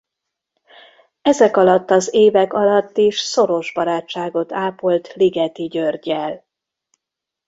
Ezek alatt az évek alatt is szoros barátságot ápolt Ligeti Györggyel.